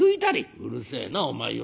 「うるせえなお前は。